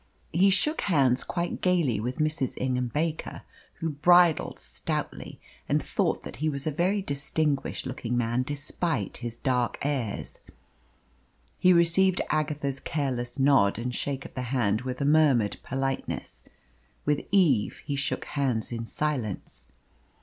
He shook hands quite gaily with Mrs. Ingham Baker, who bridled stoutly, and thought that he was a very distinguished looking man despite his dark airs. He received Agatha's careless nod and shake of the hand with a murmured politeness; with Eve he shook hands in silence.